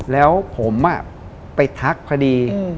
แล้วผมไปทักพอดี